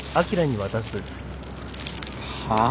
はあ？